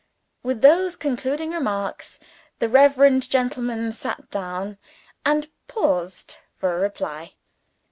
With those concluding remarks, the reverend gentleman sat down and paused for a reply.